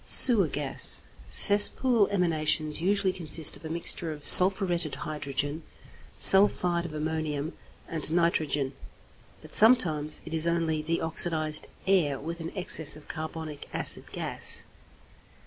=Sewer Gas.= Cesspool emanations usually consist of a mixture of sulphuretted hydrogen, sulphide of ammonium, and nitrogen; but sometimes it is only deoxidized air with an excess of carbonic acid gas.